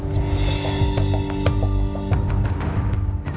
pemerintah kepala banjir menjaga panjangan lampung menyebutkan penyelamat dari pasien tersebut